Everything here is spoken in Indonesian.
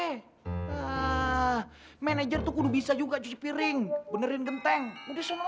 ahhh manajer tuh kudu bisa juga cuci piring benerin genteng udah seneng ah